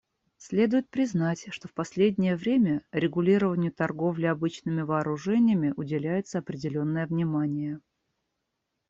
Следует признать, что в последнее время регулированию торговли обычными вооружениями уделяется определенное внимание.